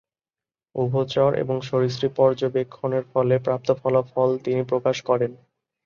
উভচর এবং সরীসৃপ পর্যবেক্ষণের ফলে প্রাপ্ত ফলাফল তিনি প্রকাশ করেন।